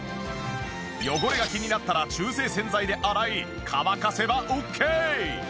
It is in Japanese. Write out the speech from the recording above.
汚れが気になったら中性洗剤で洗い乾かせばオッケー！